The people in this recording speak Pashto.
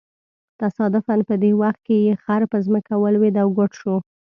تصادفاً په دې وخت کې یې خر په ځمکه ولویېد او ګوډ شو.